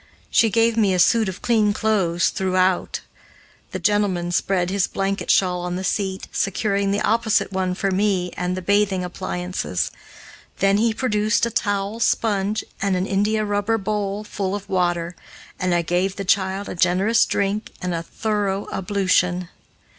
She gave me a suit of clean clothes throughout, the gentleman spread his blanket shawl on the seat, securing the opposite one for me and the bathing appliances. Then he produced a towel, sponge, and an india rubber bowl full of water, and I gave the child a generous drink and a thorough ablution.